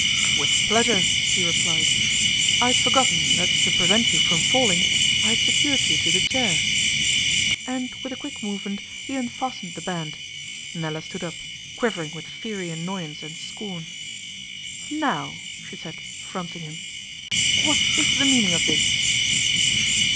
'With pleasure,' he replied. 'I had forgotten that to prevent you from falling I had secured you to the chair'; and with a quick movement he unfastened the band. Nella stood up, quivering with fiery annoyance and scorn. 'Now,' she said, fronting him, 'what is the meaning of this?